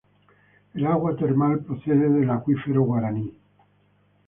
El agua termal procede del acuífero Guaraní.